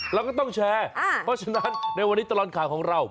เราก็ต้องแชร์เพราะฉะนั้นในวันนี้ตลอดข่าวของเรา